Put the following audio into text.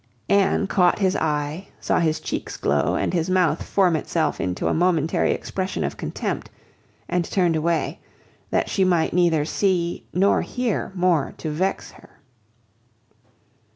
Anne caught his eye, saw his cheeks glow, and his mouth form itself into a momentary expression of contempt, and turned away, that she might neither see nor hear more to vex her.